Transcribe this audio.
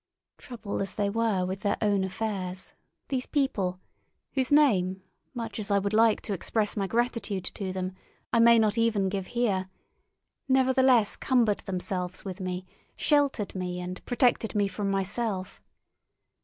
Troubled as they were with their own affairs, these people, whose name, much as I would like to express my gratitude to them, I may not even give here, nevertheless cumbered themselves with me, sheltered me, and protected me from myself.